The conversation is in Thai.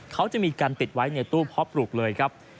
เขาจะมีการติดไว้ในตู้เพาะปลูกเลยครับ